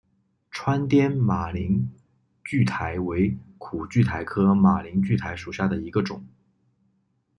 川滇马铃苣苔为苦苣苔科马铃苣苔属下的一个种。